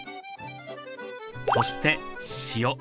そして塩。